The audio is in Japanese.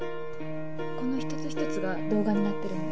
この一つ一つが動画になってるんで。